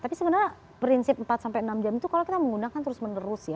tapi sebenarnya prinsip empat sampai enam jam itu kalau kita menggunakan terus menerus ya